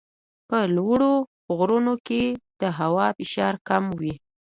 په لوړو غرونو کې د هوا فشار کم وي.